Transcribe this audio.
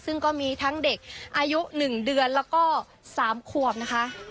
ซึ่งก็มีทั้งเด็กอายุ๑เดือนแล้วก็๓ขวบนะคะ